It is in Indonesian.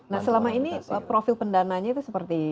nah selama ini profil pendananya itu seperti